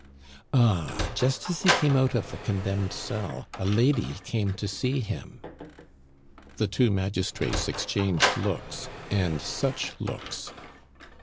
"Ah! just as he came out of the condemned cell a lady came to see him " The two magistrates exchanged looks, and such looks!